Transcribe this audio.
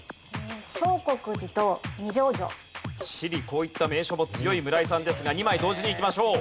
こういった名所も強い村井さんですが２枚同時にいきましょう。